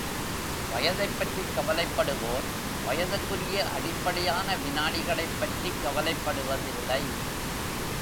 வயதைப் பற்றிக் கவலைப்படுவோர் வயதுக்குரிய அடிப்படையான விநாடிகளைப் பற்றிக் கவலைப்படுவதில்லை.